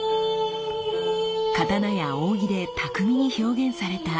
刀や扇で巧みに表現された歴史の物語。